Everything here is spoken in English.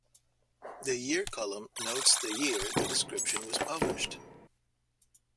The year column notes the year the description was published.